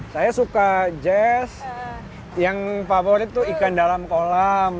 saya suka jazz yang favorit tuh ikan dalam kolam